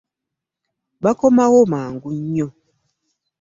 Bakomawo mangu nnyo.